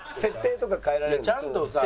ちゃんとさ。